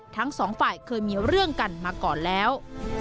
ทั้งสองฝ่ายเคยมีเรื่องกันมาก่อนแล้ว